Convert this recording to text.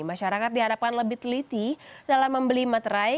masyarakat diharapkan lebih teliti dalam membeli materai